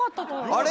「あれ？